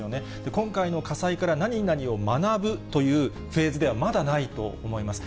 今回の火災から何々を学ぶというフェーズでは、まだないと思います。